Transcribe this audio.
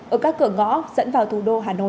ở các cửa ngõ dẫn vào thủ đô hà nội